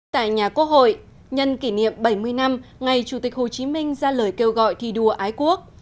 tại nhà quốc hội nhân kỷ niệm bảy mươi năm ngày chủ tịch hồ chí minh ra lời kêu gọi thi đua ái quốc